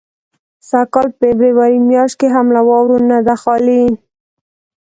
سږ کال فبروري میاشت هم له واورو نه ده خالي.